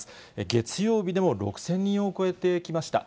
月曜日でも６０００人を超えてきました。